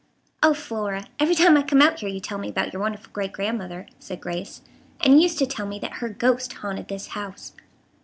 "Oh, Flora! Every time I come out here you tell me about your wonderful great grand mother," said Grace, "and you used to tell me that her ghost haunted this house."